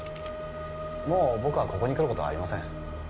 もう僕はここに来ることはありません